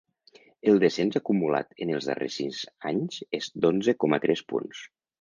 El descens acumulat en els darrers sis anys és d’onze coma tres punts.